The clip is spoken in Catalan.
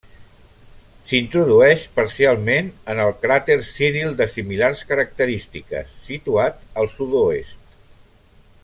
S'introdueix parcialment en el cràter Ciril de similars característiques, situat al sud-oest.